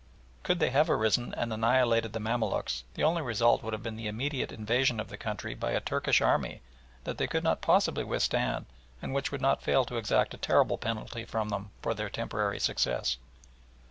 Could they have risen and annihilated the Mamaluks the only result would have been the immediate invasion of the country by a Turkish army that they could not possibly withstand and which would not fail to exact a terrible penalty from them for their temporary success.